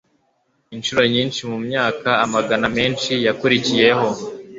incuro nyinshi mu myaka amagana menshi yakurikiyeho